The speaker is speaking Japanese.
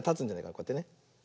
こうやってね。